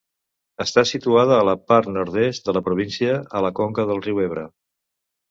Està situada a la part nord-est de la província, a la conca del riu Ebre.